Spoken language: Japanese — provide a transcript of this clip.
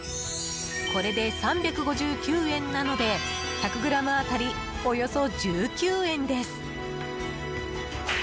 これで３５９円なので１００ｇ当たりおよそ１９円です。